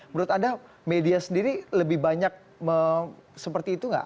menurut anda media sendiri lebih banyak seperti itu nggak